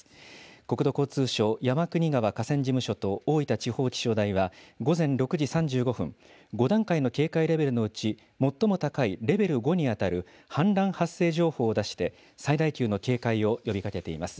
国土交通省山国川河川事務所と、大分地方気象台は、午前６時３５分、５段階の警戒レベルのうち最も高いレベル５に当たる氾濫発生情報を出して、最大級の警戒を呼びかけています。